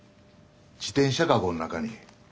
自転車籠の中に。